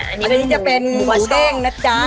อันนี้จะเป็นหัวเข้งนะจ๊ะ